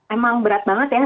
emang berat banget ya